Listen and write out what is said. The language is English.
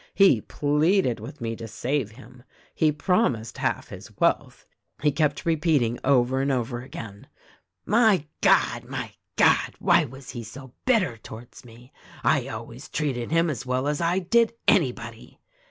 He pleaded with me to save him. He promised half his wealth. He kept repeating over and over again : 'My God ! My God ! why was he so bitter towards me. I always treated him as well as I did anybody.'